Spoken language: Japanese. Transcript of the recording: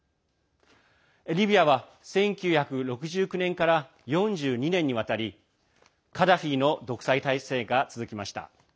リビアは１９６９年から４２年にわたりカダフィの独裁体制が続きました。